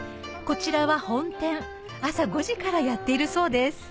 こちらは本店朝５時からやっているそうです